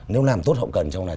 nếu làm tốt hậu cần trong này